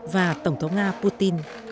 và tổng thống nga putin